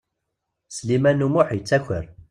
Sliman U Muḥ yettaker.